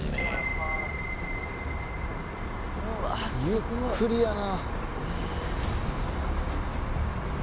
ゆっくりやな。